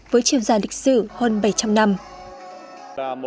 với chiều dài lịch sử hơn bảy trăm linh năm